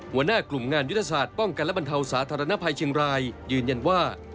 หัวหน้ากลุ่มงานยุทธศาสตร์ป้องกันและบรรเทาสาธารณภัยเชียงรายยืนยันว่า